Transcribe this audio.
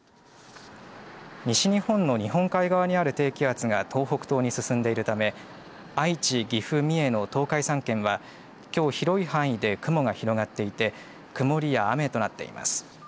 西日本の日本海側にある低気圧が東北東に進んでいるため愛知、岐阜、三重の東海３県はきょう広い範囲で雲が広がっていて曇りや雨となっています。